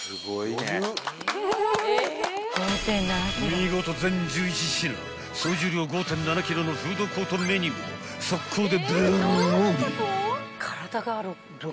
［見事全１１品総重量５．７ｋｇのフードコートメニューを即行でベロリ］